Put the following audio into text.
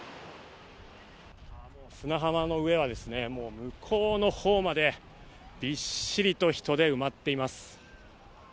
砂浜の上は向こうの方までびっしりと人で埋まっています。